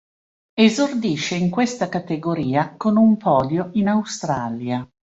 Esordisce in questa categoria con un podio in Australia.